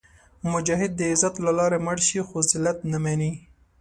مجاهد د عزت له لارې مړ شي، خو ذلت نه مني.